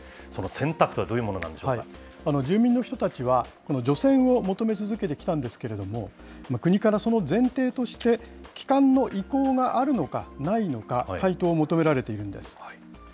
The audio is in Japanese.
その選択とは、どういうものなん住民の人たちは、除染を求め続けてきたんですけれども、国から、その前提として、帰還の意向があるのか、ないのか、回答を求められているんです。